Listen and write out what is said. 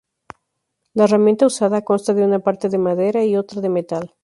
La herramienta usada consta de una parte de madera y otra de metal.